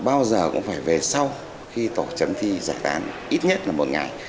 bao giờ cũng phải về sau khi tổ chấm thi giải tán ít nhất là một ngày